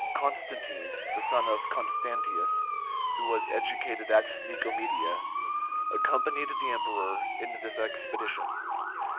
Constantine, the son of Constantius, who was educated at Nicomedia, accompanied the emperor in this expedition.